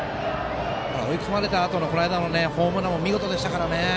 追い込まれたあとのこの間のホームランも見事でしたからね。